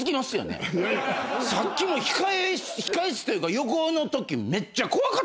さっきも控室というか横のときめっちゃ怖かったですよ。